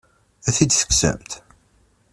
Ad t-id-tekksemt?